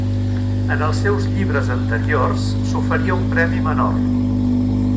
En els seus llibres anteriors s'oferia una premi menor.